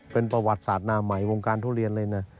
เป็นประวัติศาสตร์หน้าใหม่วงการทุเรียนเลยนะ